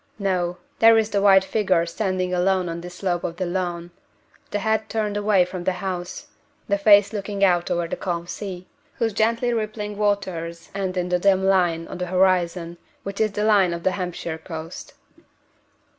No! there is the white figure standing alone on the slope of the lawn the head turned away from the house; the face looking out over the calm sea, whose gently rippling waters end in the dim line on the horizon which is the line of the Hampshire coast.